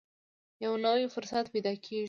یو نوی فرصت پیدا کېږي.